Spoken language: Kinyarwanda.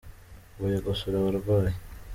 Mvuye gusura abarwayi.